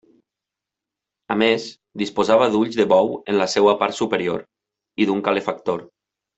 A més, disposava d'ulls de bou en la seua part superior, i d'un calefactor.